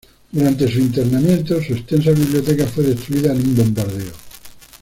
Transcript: Durante su internamiento, su extensa biblioteca fue destruida en un bombardeo.